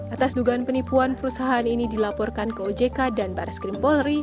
atas dugaan penipuan perusahaan ini dilaporkan ke ojk dan baris krim polri